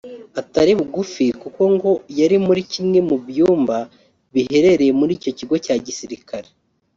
atari bugufi kuko ngo yari muri kimwe mu byumba biherereye muri icyo kigo cya gisirikare